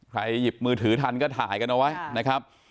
หยิบมือถือทันก็ถ่ายกันเอาไว้นะครับ